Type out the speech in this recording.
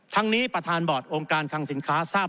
ทั้งนี้ประธานบอร์ดองค์การคังสินค้าทราบ